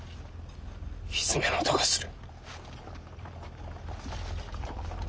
ひづめの音がする。